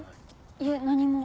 いえ何も。